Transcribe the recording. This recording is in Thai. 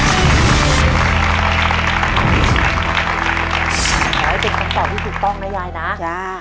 แต่จะเป็นคำตอบที่ถูกต้องนะยายนะ